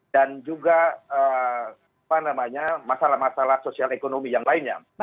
dan juga masalah masalah sosial ekonomi yang lainnya